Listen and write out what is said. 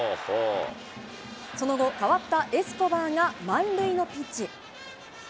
その後、代わったエスコバーが満塁のピンチ。